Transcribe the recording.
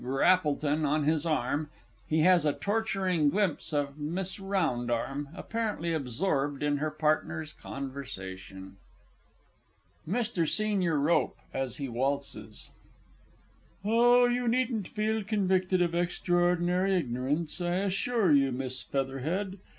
GRAPPLETON on his arm, he has a torturing glimpse of MISS ROUNDARM, apparently absorbed in her partner's conversation. MR. SENIOR ROPPE (as he waltzes). Oh, you needn't feel convicted of extraordinary ignorance, I assure you, Miss Featherhead.